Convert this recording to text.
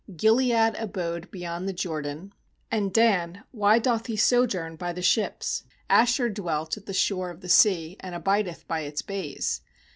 17Gilead abode beyond the Jordan; And Dan, why doth he sojourn by the ships? Asher dwelt at the shore of the sea, And abideth by its bays.